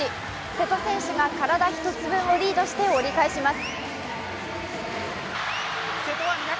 瀬戸選手が体一つ分をリードして折り返します